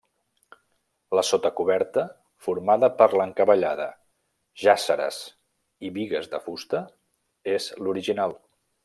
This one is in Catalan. La sota coberta, formada per l'encavallada, jàsseres i bigues de fusta, és l'original.